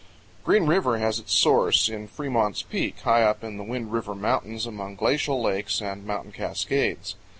GREEN RIVER has its source in Fremont's Peak, high up in the Wind River Mountains among glacial lakes and mountain cascades.